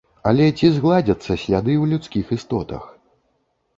Але ці згладзяцца сляды ў людскіх істотах?